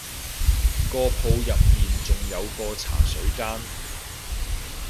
個鋪入面仲有個茶水間